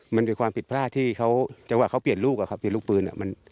มันเป็นความผิดพลาดที่เขาจังหวะเขาเปลี่ยนลูกปืน